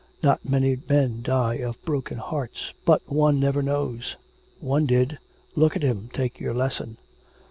Not many men die of broken hearts, but one never knows. One did. Look at him, take your lesson.'